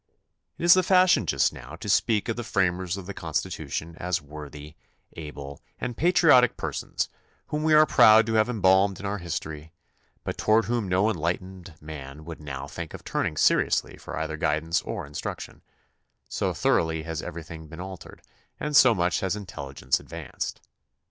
It is the fashion just now to speak of the framers of the Constitution as worthy, able, and pa triotic persons whom we are proud to have embalmed in our history, but toward whom no enlightened man would now think of turning seriously for either guid ance or instruction, so thoroughly has everything been altered and so much has intelligence advanced.